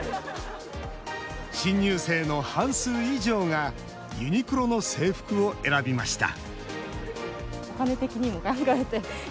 新入生の半数以上がユニクロの制服を選びました